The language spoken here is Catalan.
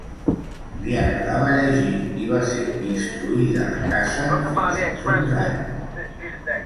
Li agradava llegir i va ser instruïda a casa fins als onze anys.